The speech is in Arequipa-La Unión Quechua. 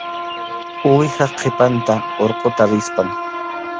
Uwihap qhipanta urquta rispam.